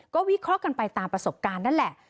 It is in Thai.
ก็วิเคราะห์กันไปตามประสบการณ์นั่นแหละ